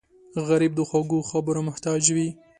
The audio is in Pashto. غریب د خوږو خبرو محتاج وي